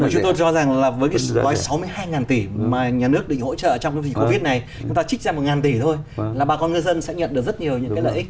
chúng tôi cho rằng là với gói sáu mươi hai tỷ mà nhà nước định hỗ trợ trong dịch covid này chúng ta trích ra một tỷ thôi là bà con ngư dân sẽ nhận được rất nhiều những cái lợi ích